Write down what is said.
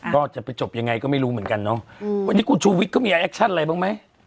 ก็จะไปจบยังไงก็ไม่รู้เหมือนกันเนอะอืมวันนี้กูชูวิกก็มีแอคชั่นอะไรบ้างไหม